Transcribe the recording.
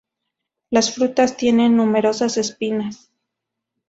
Las frutas tienen numerosas espinas.